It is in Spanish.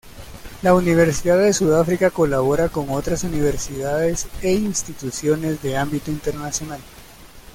La Universidad de Sudáfrica colabora con otras universidades e instituciones de ámbito internacional.